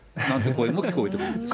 声も聞こえてくるんです。